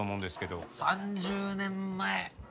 ３０年前。